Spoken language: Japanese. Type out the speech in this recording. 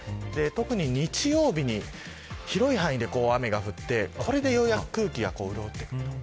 特に日曜日に広い範囲で雨が降ってこれでようやく空気が潤ってくる。